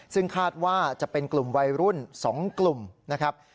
ซึ่งคาดว่าจะเป็นกลุ่มวัยรุ่น๒กลุ่มนะครับ